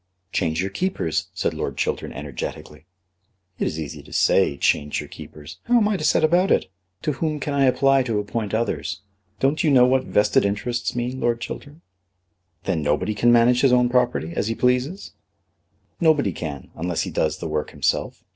"Change your keepers," said Lord Chiltern energetically. "It is easy to say, change your keepers. How am I to set about it? To whom can I apply to appoint others? Don't you know what vested interests mean, Lord Chiltern?" "Then nobody can manage his own property as he pleases?" "Nobody can, unless he does the work himself.